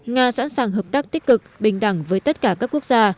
nga sẵn sàng hợp tác tích cực bình đẳng với tất cả các quốc gia